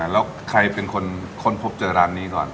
แล้วใครเป็นคนค้นพบเจอร้านนี้ก่อน